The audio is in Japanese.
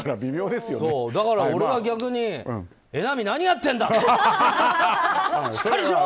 だから俺は逆に榎並、何やってんだ！